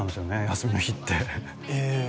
休みの日ってええ